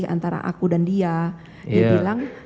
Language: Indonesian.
antara aku dan dia dia bilang